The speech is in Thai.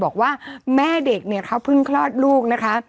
บอกว่าแม่เด็กเนี่ยเขาเพิ่งคลอดลูกนะคะ